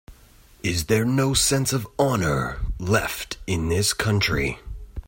Is there no sense of honor left in this country?